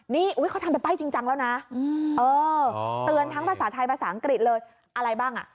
นี่เขาทำเป็นป้ายจริงจังแล้วนะเออเตือนทั้งภาษาไทยภาษาอังกฤษเลยอะไรบ้างอ่ะ